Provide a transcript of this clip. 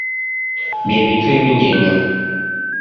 Bye bintu ebingi ennyo.